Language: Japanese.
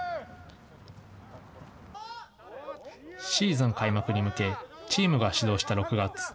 シーズン開幕に向け、チームが始動した６月。